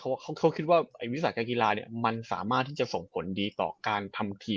เขาเขาเขาคือว่าไอวิสารและกีฬาเนี้ยมันสามารถที่จะส่งผลดีต่อการทำที